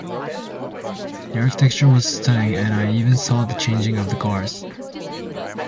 The architecture was stunning, and I even saw the changing of the guards.